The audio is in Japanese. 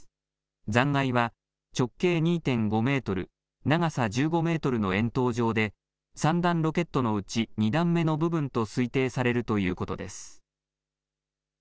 残骸は直径２．５メートル、長さ１５メートルの円筒状で３段ロケットのうち２段目の部分と推定されるということです。